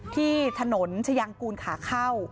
ที่ถนนชายางกูลขาเข้า